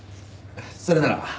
それなら。